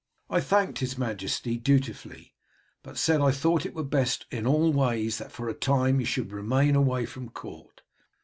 I thanked his majesty dutifully, but said I thought it were best in all ways that for a time you should remain away from court.